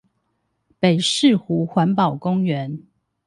北勢湖環保公園